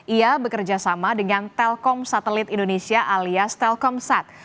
ia bekerja sama dengan telkom satelit indonesia alias telkomsat